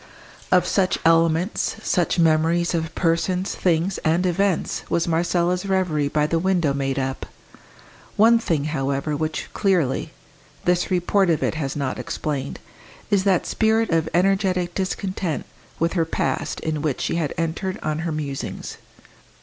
Of such elements, such memories of persons, things, and events, was Marcella's reverie by the window made up. One thing, however, which, clearly, this report of it has not explained, is that spirit of energetic discontent with her past in which she had entered on her musings.